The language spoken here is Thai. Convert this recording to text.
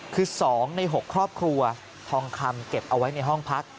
คือ๒ใน๖ครอบครัวทองคำเก็บเอาไว้ในห้องพัก